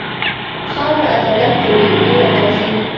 خاوره عدالت کوي، بې له قاضي.